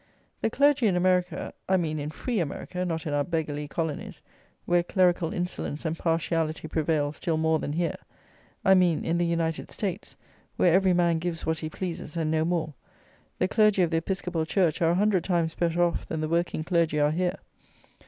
The clergy in America; I mean in free America, not in our beggarly colonies, where clerical insolence and partiality prevail still more than here; I mean in the United States, where every man gives what he pleases, and no more: the clergy of the episcopal church are a hundred times better off than the working clergy are here.